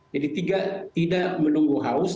jadi tidak menunggu haus